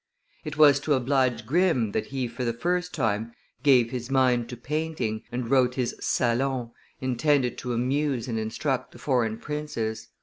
It was to oblige Grimm that he for the first time gave his mind to painting, and wrote his Salons, intended to amuse and instruct the foreign princes.